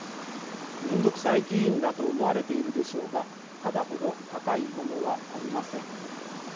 面倒くさい議員だと思われているでしょうがタダほど高いものはありません」。